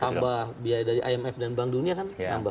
tambah biaya dari imf dan bank dunia kan nambah